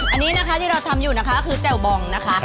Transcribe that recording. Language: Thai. อันนี้นะคะที่เราทำอยู่นะคะก็คือแจ่วบองนะคะ